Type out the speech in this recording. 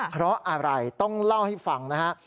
เพราะอะไรต้องเล่าให้ฟังนะฮะ